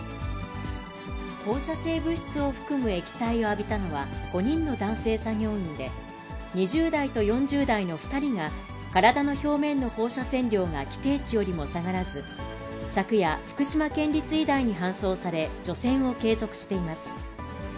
放射性物質を含む液体を浴びたのは５人の男性作業員で、２０代と４０代の２人が体の表面の放射線量が規定値よりも下がらず、昨夜、福島県立医大に搬送され、除染を継続しています。